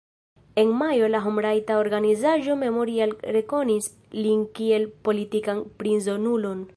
En majo la homrajta organizaĵo Memorial rekonis lin kiel politikan prizonulon.